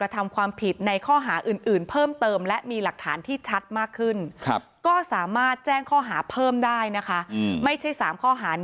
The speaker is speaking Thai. ทำความผิดในข้าวหาอื่นเพิ่มเติมและมีหลักฐานที่ชัดมากขึ้นครับก็สามารถแจ้งข้อหา